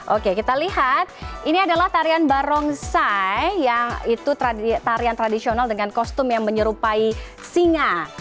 oke kita lihat ini adalah tarian barongsai yang itu tarian tradisional dengan kostum yang menyerupai singa